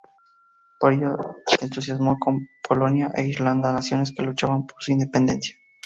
Por ello se entusiasmó con Polonia e Irlanda, naciones que luchaban por su independencia.